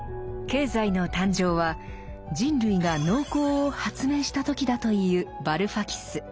経済の誕生は人類が農耕を「発明」した時だと言うバルファキス。